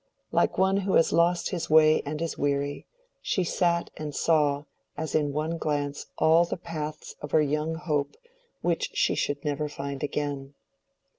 Like one who has lost his way and is weary, she sat and saw as in one glance all the paths of her young hope which she should never find again.